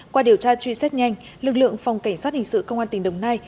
qua điều tra truy xét nhanh lực lượng phòng cảnh sát hình sự công an tỉnh đồng nai